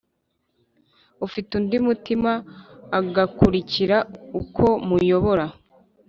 Afite undi mutima agakurikira uko muyobora